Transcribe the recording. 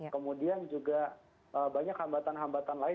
kemudian juga banyak hambatan hambatan lain